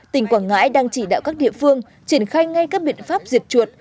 tỉnh quảng ngãi đang chỉ đạo các địa phương triển khai ngay các biện pháp diệt chuột